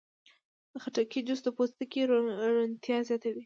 د خټکي جوس د پوستکي روڼتیا زیاتوي.